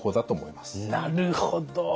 なるほど！